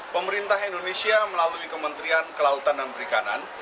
pemerintah indonesia melalui kementerian kelautan dan perikanan